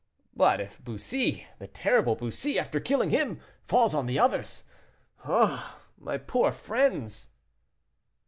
But if Bussy, the terrible Bussy, after killing him, falls on the others! Ah, my poor friends!"